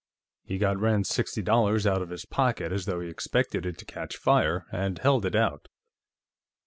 He got Rand's sixty dollars out of his pocket as though he expected it to catch fire, and held it out.